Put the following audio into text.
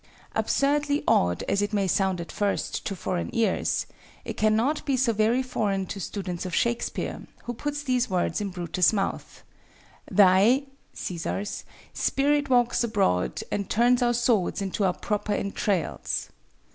Absurdly odd as it may sound at first to foreign ears, it can not be so very foreign to students of Shakespeare, who puts these words in Brutus' mouth—"Thy (Cæsar's) spirit walks abroad and turns our swords into our proper entrails."